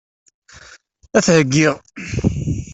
Ad t-heggiɣ.